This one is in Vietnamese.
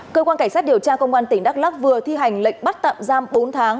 cơ quan cảnh sát điều tra công an tỉnh đắk lắc vừa thi hành lệnh bắt tạm giam bốn tháng